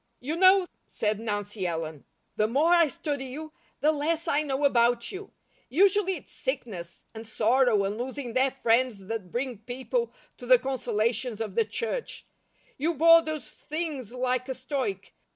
"You know," said Nancy Ellen, "the MORE I study you, the LESS I know about you. Usually it's sickness, and sorrow, and losing their friends that bring people to the consolations of the church. You bore those things like a stoic.